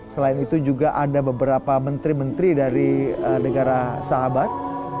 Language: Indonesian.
selain itu juga ada beberapa menteri menteri dari negara sahabat